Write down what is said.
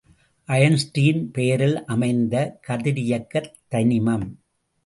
Einstein பெயரில் அமைந்த கதிரியக்கத் தனிமம்.